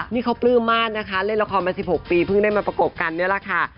นี่เขาปลื้มมากนะคะเล่นละครมา๑๖ปีเพิ่งได้มาประกบกันนี่แหละค่ะ